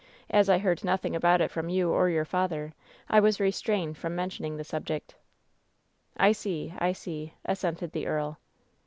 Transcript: As I heard nothing about it from you or your father, I was restrained from mentioning the subject/' "I see ! I see !" assented the earl.